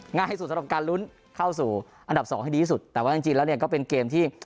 ง่ายที่สุดสำหรับการลุ้นเข้าสู่อันดับสองให้ดีที่สุดแต่ว่าจริงจริงแล้วเนี่ยก็เป็นเกมที่